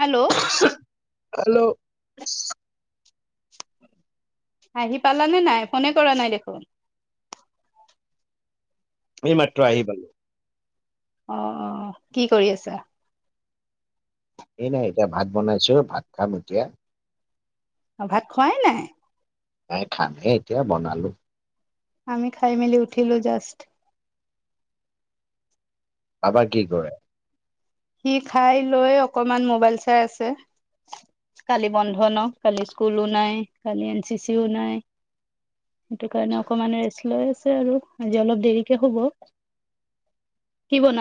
Hello hello আহি পালানে নাই, ফোনে কৰা নাই দেখোন? এই মাত্ৰ আহি পালো। অ অ কি কৰি আছা? এই নাই এতিয়া ভাত বনাই আছো, ভাত খাম এতিয়া। অ ভাত খোৱাই নাই? এ খানহে এতিয়া বনালো আমি খাই মেলি উঠিলো জাষ্ট। আবাই কি কৰে সি খাই লৈ অকমান মোবাইল চাই আছে। কালি বন্ধ ন কালি স্কুলো নাই কালি এন চি চিও নাই সেইটো কাৰণে অকমান ৰেষ্ট লৈ আছে আৰু আজি অলপ দেৰিকে হুব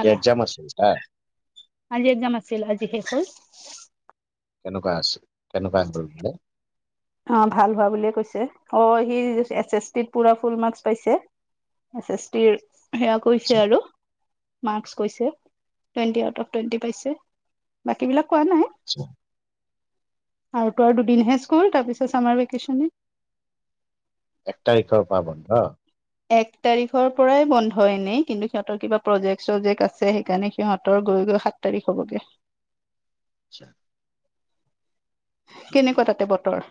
আজি এক্জাম আছিল তাৰ। আজি এক্জাম আছিল আজি শেষ হল কেনেকুৱা আছে, কেনেকুৱা হল বোলে? অ ভাল হোৱা বুলিয়ে কৈছে অ সি এছ এছ পি ত পুৰা ফুল মাৰ্কচ পাইছে এছ এছ টিৰ সেয়া কৰিছে আচ্ছা, আৰু। মাকচ্ পাইছে টুৱেনটি আউট অফ টুৱেণ্টি পাইছে বাকী বিলাক কোৱা নাই আচ্ছা আৰু তো আৰু দুদিনহে স্কুল তাৰপিছত চামাৰ ভিকেচন এক তাৰিখৰ পা বন্ধ এক তাৰিখৰ পৰাই বন্ধ এনেই কিন্তু সিহঁতৰ কিবা প্ৰজেক্ট চজেক্ আছে সেইকাৰণে সিহঁতৰ গৈ গৈ সাত তাৰিখ হ'বগে। আচ্ছা কেনেকুৱা তাতে বতৰ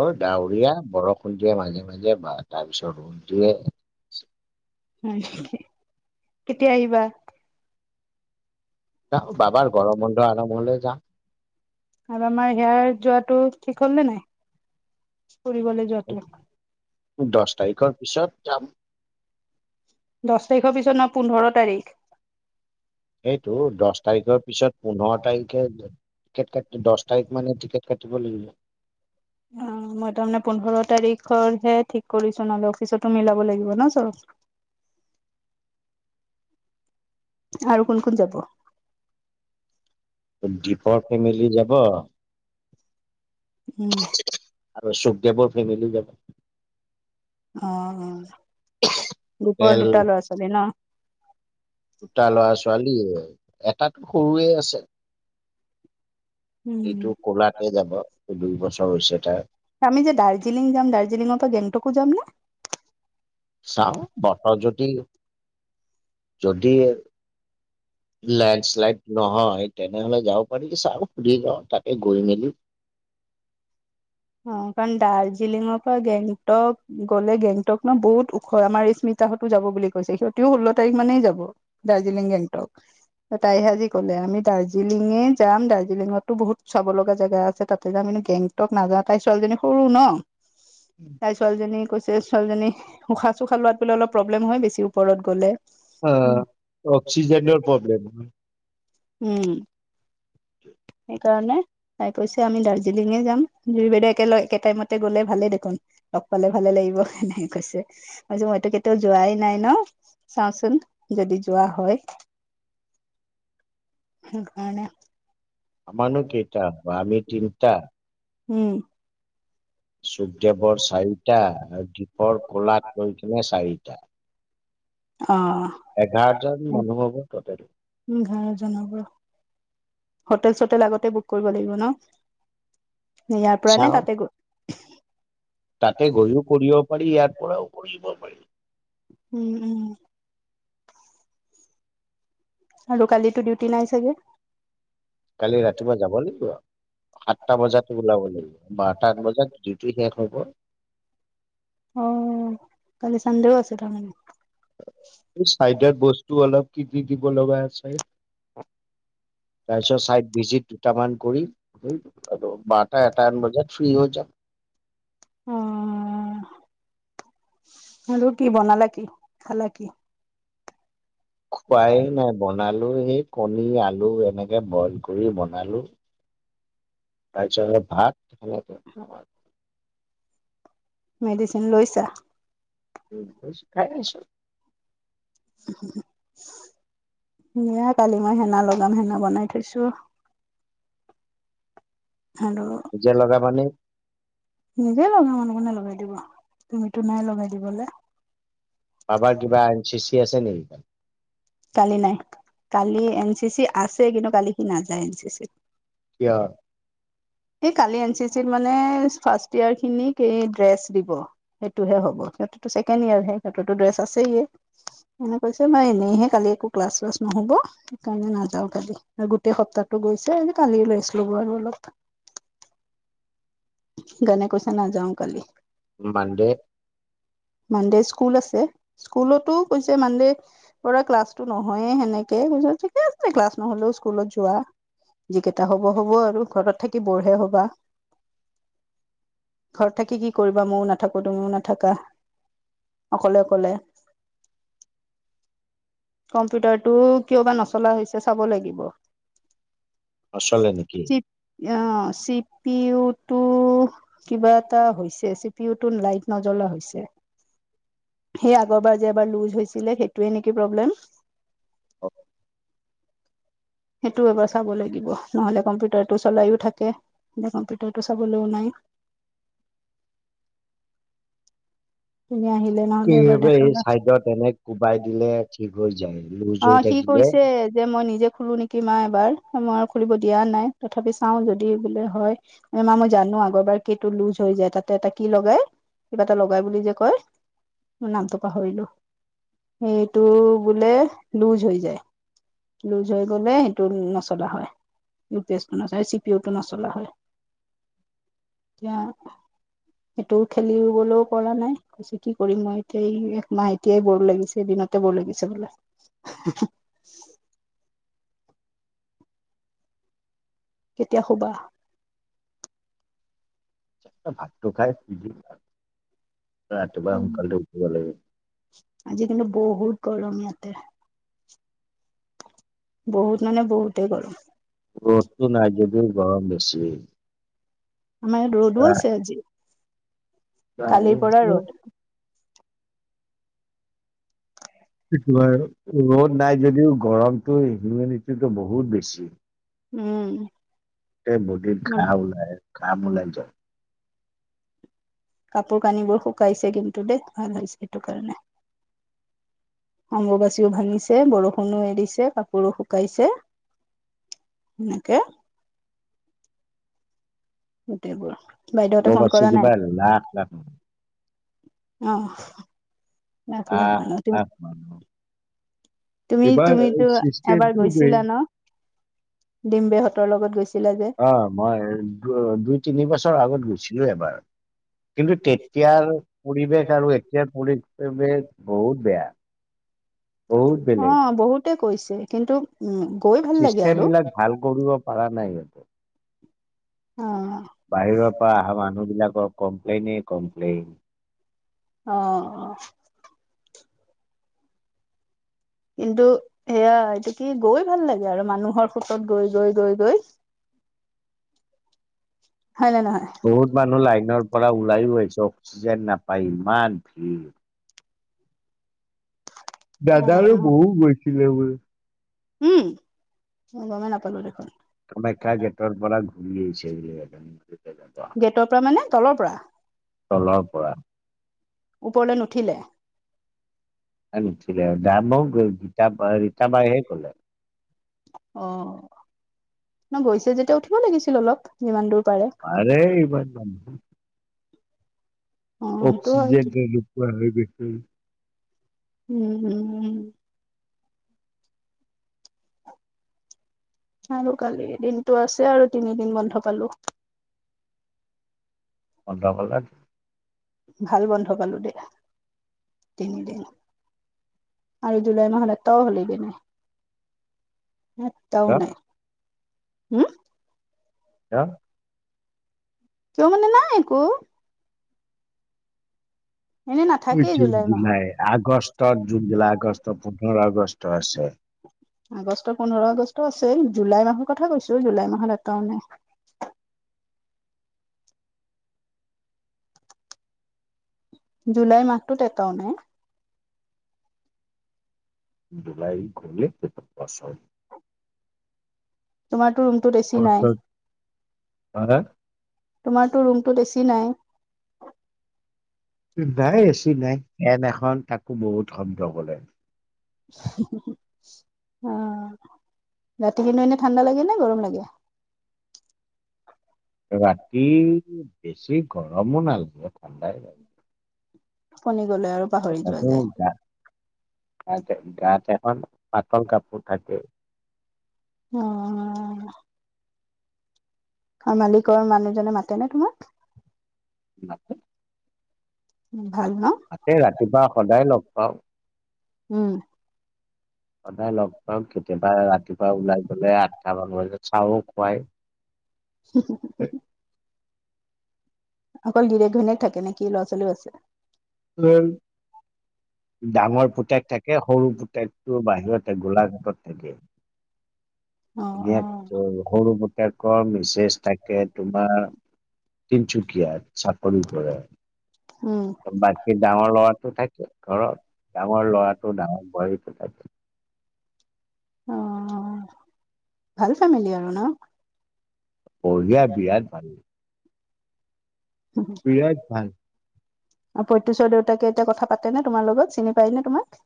এ ডাৱৰীয়া বৰষুণটোৱে মাজে মাজে বা তাৰপিছত ৰুমটো অ কেতিয়া আহিবা বাবাৰ গৰম বন্ধ আৰম্ভ হলে যাম আৰু আমাৰ হেয়াৰ যোৱাটো ঠিক হল নে নাই? ফুৰিবলৈ যোৱাটো দছ তাৰিখৰ পিছত যাম দছ তাৰিখৰ পিছত নহয় পোন্ধৰ তাৰিখ। সেইটো দহ তাৰিখৰ পিছত পোন্ধৰ তাৰিখে টিকট কাটি দহ তাৰিখ মানে টিকট কাটিব লাগিব। উম মই তাৰমানে পোন্ধৰ তাৰিখৰ হে ঠিক কৰিছো নহলে অফিচতো মিলাব লাগিব ন চ [unintelligible] আৰু কোন কোন যাব দীপৰ ফেমিলি যাব উম আৰু স্বদেৱৰ ফেমিলি যাব। অ দুপৰ টোটেল দু দুটা লৰা ছোৱালী ন দুটা লৰা ছোৱালী এটাতো সৰুৱে আছে। উম এইটো কলাতে যাব দুই বছৰ হৈছে তাৰ। আমি যে দাৰ্জিলিং যাম দাৰ্জিলিঙৰ পৰা গেংটকু যাম নে চাও বতৰ যদি, যদি লেণ্ডস্লাইড নহয় তেনেহলে যাব পাৰি চাও সুধি লওঁ তাকে গৈ মেলি অ কাৰণ দাৰ্জিলিঙৰ পৰা গেংটক গলে গেংটক ন বহুত ওখ, আমাৰ স্মৃতি সপ্তাহতো যাব বুলি কৈছে সিহঁতিও ষোল্ল তাৰিখ মানেই যাব দাৰ্জিলিং গেংটক তাই সজি ক'লে আমি দাৰ্জিলিঙে যাম, দাৰ্জিলিঙতো বহুত চাব লগা জেগা আছে তাতে যাম। গেংটক নাযাও তাই ছোৱালীজনী সৰু ন তাই ছোৱালীজনী কৈছে, ছোৱালীজনী উশাহ চুশাহ লোৱাত অলপ প্ৰব্লেম হয়, বেছি ওপৰত গ'লে। অ অক্সিজেনৰ প্ৰব্লেম হয় উম সেইকাৰণে তাই কৈছে আমি দাৰ্জিলিঙে যাম জুই বাইদেউ একেল একে টাইমতে গ'লে ভালেই দেখোন লগ পালে ভালে লাগিব এনেকে কৈছে মইছো মইতো কেতিয়াও যোৱাই নাই ন চাওঁচোন যদি যোৱা হয় সেই কাৰনে আমাৰনো কেইটা হ আমি তিনিটা উম চুকদেৱৰ চাৰিটা আৰু দীপৰ কলাত লৈ কিনে চাৰিটা অ এঘাৰজন মানুহ হ'ব টোটেল উ ঘৰ জনাব হোটেল চোটেল আগতে বুক কৰিব লাগিব ন ইয়াৰ পৰা নে চাওঁ তাতে গৈ তাতে গৈও কৰিব পাৰি ইয়াৰ পৰাও কৰিব পাৰি উম উম আৰু কালিতো ডিউটি নাই চাগে কালি ৰাতিপুৱা যাব লাগিব আৰু সাতটা বজাত ওলাব লাগিব বাৰটা বজাত ডিউটি শেষ হব অ কালি চানডেউ আছে তাৰমানে এই চাইডত বস্তু অলপ কি কি দিব লগা আছে তাৰপিছত চাইদ ভিজিট দুটা মান কৰি বাৰটা এটা মান বজাত ফ্ৰী হৈ যাম অ আৰু কি বনালা কি খালা কি খোৱাই নাই বনালো সেই কণী আলু এনেকে বইল কৰি বনালো [inaudible] তাৰছত ভাত খালোতো ভাত মেডিচিন লৈছা হৈছে খাই আছো [unintelligible] সেয়া কালি মই হেনা লগাম হেনা বনাই থৈছো। আৰু নিজে লগাবা নে? নিজে লগাম আৰু কোনে লগাই দিব তুমিতো নাই লগাই দিবলে। বাবাৰ কিবা এন চি চি আছে নেকি? কালি নাই কালি এন চি চি আছে কিন্তু কালি সি নাযায় এন চি চি। কিয়? এই কালি এন চি চিত মানে ফাৰ্ষ্ট ইয়াৰ খিনিক এই ড্ৰেছ দিব সেইটোহে হ'ব। সিহঁতেতো ছেকেণ্ড ইয়াৰ হে সিহঁতৰতো ড্ৰেছ আছে এ। এনে কৈছে মই এনেইহে কালি একো ক্লাছ চ্লাছ নহব সেইকাৰণে নাযাও কালি গোটেই সপ্তাহ গৈছে কালি লৈ ৰেষ্ট লব আৰু অলপ গনে কৈছে নাযাও কালি। মনদে মানডে স্কুল আছে স্কুলতো কৈছে মানডে পৰা ক্লাছটো নহয়ে সেনেকে ঠিকে আছে ক্লাছ নহ'লেও স্কুলত যোৱা যিকেইটা হব হ'ব আৰু ঘৰত থাকি বৰহে হবা। ঘৰত থাকি কি কৰিবা মইও নাথাকো তুমিও নাথাকা। অকলে অকলে কম্পিউটাৰটো কিয় বা নচলা হৈছে চাব লাগিব। নচলে নেকি? চি অ চি পি ইউ টো কিবা এটা হৈছে চি পি ইউ টোৰ লাইট নজ্বলা হৈছে। সেই আগৰবাৰ যে এবাৰ লুজ হৈছিলে সেইটোৱে নেকি প্ৰব্লেম? [inaudible] সেইটোও এবাৰ চাব লাগিব নহলে কম্পিউটাৰটো চলাইও থাকে। এ কম্পিউটাৰটো চাবলৈও নাই। তুমি আহিলে নহ'লে এবাৰ এই দেখাবা। চাইডত এনে কোবাই দিলে ঠিক হৈ যায়। লুজ অ হৈ সি থাকিলে কৈছে যে মই নিজে খুলো নেকি মা এবাৰ। মই খুলিব দিয়া নাই তথাপি চাও যদি বোলে হয় মা মই জানো আগৰবাৰ কেইটো লুজ হয় যায় তাতে এটা কি লগাই কিবা এটা লগাই বুলি যে কয় মই নামটো পাহৰিলো সেইটো বোলে লুজ হৈ যায়। লুজ হৈ গ'লে সেইটো নচলা হয়। ইউ পি এছটো নচ চি পি ইটো নচলা হয় এতিয়া সেইটো খেলিবলৈও পৰা নাই। কৈছে কি কৰিম মই এতিয়া একমাহ এতিয়াই বৰ লাগিছে বি তাতে বৰ লাগিছে বোলে। কেতিয়া শুবা? ভাতটো খাই ৰাতিপুৱা উ সোনকালে উঠিব লাগে আজি কিন্তু বহুত গৰম ইয়াতে। বহুত মানে বহুতে গৰম। ৰ'দটো নাই যদিও গৰম বেছি। আমাৰ ইয়াত ৰ'দো আছে আজি নাই কালিৰ পৰা ৰ'দ সেইটোএ ৰ'দ নাই যদিও গৰমটো হিউমিদিটিতো বহুত বেছি। উম। সেই বদিত ঘা ওলাই ঘাম ওলাই যায়। কাপোৰ কানিবোৰ শুকাইছে কিন্তু দে ভাল হৈছে সেটো কাৰণে। অম্বুবাচীও ভাঙিছে, বৰষুণো এৰিছে, কাপোৰো শুকাইছে। এনেকে গোটেইবোৰ। বাইদেউহতে ফোন অম্বুবাচী কৰা কিবা নাই? লাখ লাখ অহ [unintelligible] লাখ লাখ মানুহ তুমি এইবাৰ তুমিতো এবাৰ চিষ্টেমটো গৈছিলা ন বেলেগ। ডিম্বেহত বেলেগত গৈছে। অ, মই দু দুই তিনি বছৰ আগত গৈছিলো এবাৰ। কিন্তু তেতিয়াৰ পৰিৱেশ আৰু এতিয়াৰ পৰিৱেশ বহুত বেয়া। বহুত বেলেগ অঁ 'বহুতে কৈছে কিন্তু। উম গৈ ভাল লাগে চিষ্টেম আৰু বিলাক ভাল কৰিব পৰা নাই সিহঁতে। অ কমপ্লেইন এ কমপ্লেইন। অ অহ। কিন্তু সেয়া, এটো কি গৈ ভাল লাগে আৰু মানুহৰ সুত গৈ গৈ গৈ গৈ। হয় নে নহয়? বহুত মানুহ লাইনৰ পৰা ওলাইও আহিছে অক্সিজেন নাপায় ইমান ভিৰ। দাদাৰো বহুত গৈছিলে বোলে। উম, মই গমেই নাপালো দেখোন। কামাখ্যা গেটৰ পৰা ঘূৰি আহিছে বোলে। গেটৰ পৰা মানে তলৰ পৰা। তলৰ পৰা ওপৰলৈ নুঠিলে। গীতা ৰীতাবাই হে ক'লে [unintelligible] অ, গৈছে যেতিয়া উঠিব লাগিছিল অলপ যিমান দূৰ। পাৰে এইবাৰ জাম। অ', সেইটো হয়। অক্সিজেন ন নপোৱা হৈ গছে। উম উম উম। আৰু কালি দিনটো আছে আৰু তিনিদিন বন্ধ পালো। বন্ধ পালা। ভাল বন্ধ পালো দেই তিনিদিন। আৰু জুলাই মাহত এটাও [unintelligible] এটাও নাই, উম। কা। কিয় মানে নাই একো। এনে নাথাকেই জুন! মাহত। জুলাই আগষ্টত, জুন জুলাই আগষ্টত পোন্ধৰ আগষ্ট আছে। অহঁ। [unintelligible] আগষ্টৰ পোন্ধৰ আগষ্ট আছে জুলাই মাহৰ কথা কৈছো জুলাই মাহত এটাও। [inaudible] জুলাইৰ মাহটোত এটাও নাই। দুলাই ঘলে তেটা পচন্দ [unintelligible] তোমাৰটো ৰুম। বেছি নাই হা তোমাৰটো ৰুমটোত বেছি নাই। নাই বছি, নাই ফেন এখন তাকো বহুত শব্দ কৰে। অঁ। ৰাতি কিন্তু এনে ঠাণ্ডা লাগে নে গৰম লাগে ৰাতি বেছি গৰমো নালাগে ঠাণ্ডাই লাগে। টোপনি গলে আৰু পাহৰি যোৱা যায়। গাতে গাত এখন পাতল কাপোৰ থাকে। অহঁ। আহ মালিকৰ মানুহজনে মাতেনে তোমাক? [unintelligible] উম। মাতে, ৰাতিপুৱা সদায় লগ পাওঁ। উম। সদায় লগ পাওঁ কেতিয়াবা ৰাতিপুৱা ওলাই গলে আঠটামান বজাত চাও খুৱাই। হম হম। অকল গীৰে ঘণীয়ে থাকে নেকি ল'ৰা ছোৱালীও আছে। টোৱেল [unintelligible] ডাঙৰ পুতেক থাকে সৰু পুতেকটো বাহিৰত থাকে গোলাঘাটত থাকে [inaudible] অ এ অ সৰু পুতেকৰ মেছেজ থাকে তোমাৰ তিনিচুকীয়াত চাকৰি কৰে উম বাকীৰ ডাঙৰ ল'ৰাটো থাকে ঘৰত ডাঙৰ ল'ৰাটো ডাঙৰ বৌৱাৰিটোহ থাকে অ ভাল ফেমিলি আৰু ন বঢ়িয়া বিৰাট ভাল বিৰাত ভাল আৰু পঁয়তুশ্বৰ দেউতাকে এতিয়া কথা পাতে নে তোমাৰ লগত চিনি পায়নে তোমাক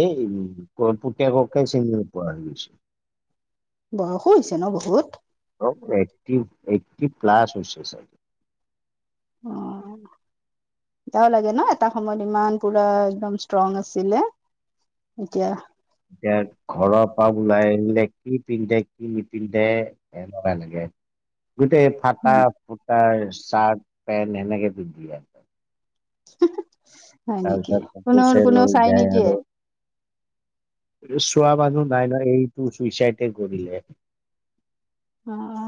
এই পুতেককে চিনি [inaudible] বয়সো হৈছে ন বহুত অ এইটি এইটি প্লাছ হৈছে চাই অ এতিয়াও লাগে ন এটা সময়ত ইমান পুৰা একদম ষ্ট্ৰং আছিলে এতিয়া এতিয়া ঘৰৰ পৰা ওলাই আহিলে কি পিন্ধে কি নিপিন্ধে সেনেকুৱা লাগে গোটেই ফটা ফুটা চাৰ্ট পেণ্ট সেনেকে পিন্ধিয়ে আহে হয় নেকি তাৰপিছত কোনো পুলিচে কোনেও লৈ চাই যায় নিদিয়ে আৰু চোৱা মানুহ নাই ন এইটো চুইচাইডে কৰিলে অ অ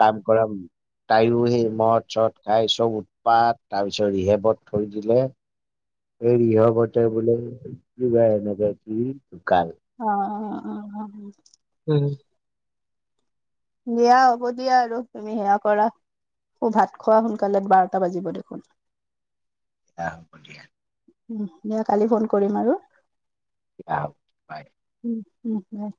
কাম কৰা বোলি তাইও সেই মদ চদ খাই চব উৎপাত তাৰপিছত ৰিহেবত থৈ দিলে এই ইয়বতে বোলে কিবা এনেকে কি ঢুকাল। অ অ অ অহ উম দিয়া হ'ব দিয়া আৰু তুমি সেয়া কৰা অ ভাত খোৱা সোনকালে বাৰটা বাজিব দেখোন অহঁ হব দিয়া উম দিয়া কালি ফোন কৰিম আৰু [unintelligible] উম উম বাই